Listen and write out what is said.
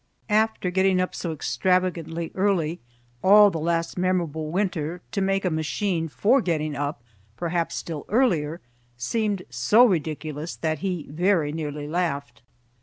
After getting up so extravagantly early, all the last memorable winter to make a machine for getting up perhaps still earlier seemed so ridiculous that he very nearly laughed.